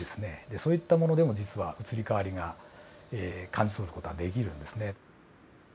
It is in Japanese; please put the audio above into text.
そういったものでも実は移り変わりが感じ取る事ができるんですね。